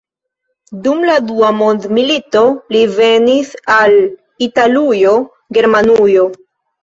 Dum la dua mondmilito li venis al Italujo, Germanujo.